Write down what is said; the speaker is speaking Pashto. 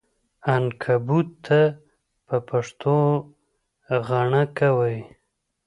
عنکبوت ته په پښتو غڼکه وایې!